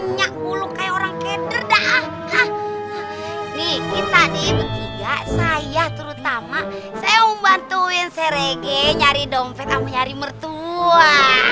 nih kita di ibu tiga saya terutama saya membantuin si rege nyari dompet ama nyari mertua